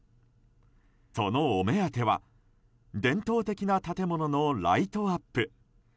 そのお目当ては伝統的な建物のライトアップ。